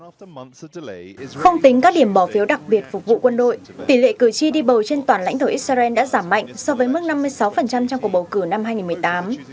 không tính các điểm bỏ phiếu đặc biệt phục vụ quân đội tỷ lệ cử tri đi bầu trên toàn lãnh thổ israel đã giảm mạnh so với mức năm mươi sáu trong cuộc bầu cử năm hai nghìn một mươi tám